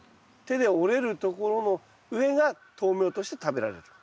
手で折れるところの上が豆苗として食べられると。